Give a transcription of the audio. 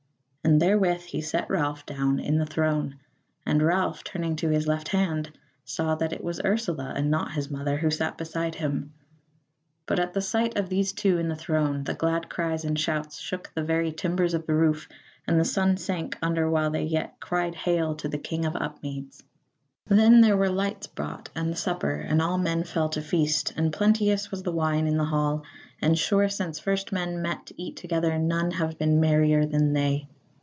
And therewith he set Ralph down in the throne, and Ralph, turning to his left hand, saw that it was Ursula, and not his mother, who sat beside him. But at the sight of these two in the throne the glad cries and shouts shook the very timbers of the roof, and the sun sank under while yet they cried hail to the King of Upmeads. Then were the lights brought and the supper, and all men fell to feast, and plenteous was the wine in the hall; and sure since first men met to eat together none have been merrier than they.